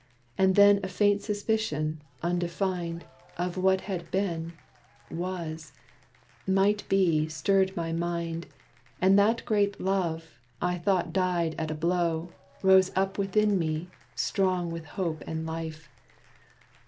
And then a faint suspicion, undefined, Of what had been was might be, stirred my mind, And that great love, I thought died at a blow, Rose up within me, strong with hope and life.